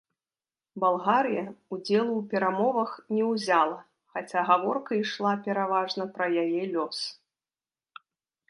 Балгарыя ўдзелу ў перамовах не ўзяла, хаця гаворка ішла пераважна пра яе лёс.